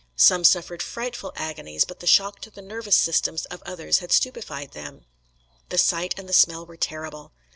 Some suffered frightful agonies, but the shock to the nervous systems of others had stupefied them. The sight and the smell were terrible.